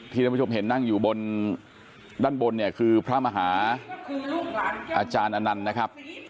ท่านผู้ชมเห็นนั่งอยู่บนด้านบนเนี่ยคือพระมหาอาจารย์อนันต์นะครับ